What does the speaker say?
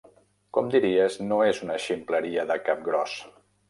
Com diries, no és una ximpleria de cap gros.